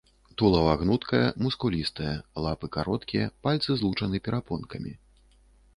Тулава гнуткае, мускулістае, лапы кароткія, пальцы злучаны перапонкамі.